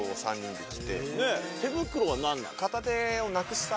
ねっ手袋は何なの？